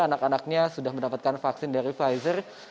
anak anaknya sudah mendapatkan vaksin dari pfizer